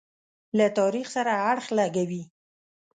له تاریخ سره اړخ لګوي.